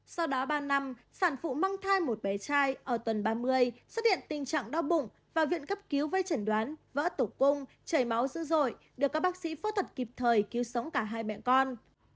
sau đó ba năm sản phụ mang thai một bé trai ở tuần ba mươi xuất hiện tình trạng đau bụng và viện cấp cứu với chẩn đoán vỡ tủ cung chảy máu dữ dội được các bác sĩ phẫu thuật kịp thời cứu sống cả hai mẹ con